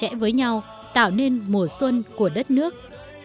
vẽ với nhau tạo nên mùa xuân của đất nước